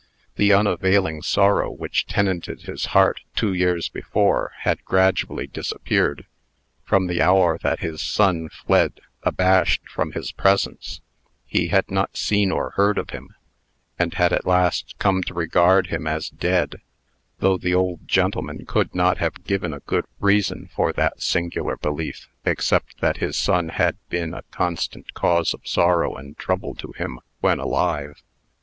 The unavailing sorrow which tenanted his heart two years before, had gradually disappeared. From the hour that his son fled abashed from his presence, he had not seen or heard of him, and had at last come to regard him as dead though the old gentleman could not have given a good reason for that singular belief, except that his son had been a constant cause of sorrow and trouble to him when alive.